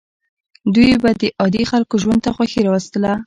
دوی به د عادي خلکو ژوند ته خوښي راوستله.